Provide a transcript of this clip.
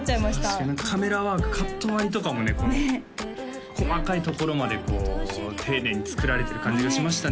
確かに何かカメラワークカット割りとかもねこの細かいところまでこう丁寧に作られてる感じがしましたね